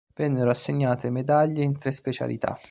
Vennero assegnate medaglie in tre specialità.